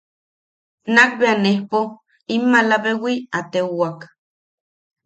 Nakbea nejpo in malabewi a teuwak.